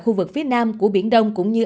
khu vực phía nam của biển đông cũng như